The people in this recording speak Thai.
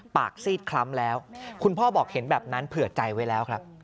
ซีดคล้ำแล้วคุณพ่อบอกเห็นแบบนั้นเผื่อใจไว้แล้วครับ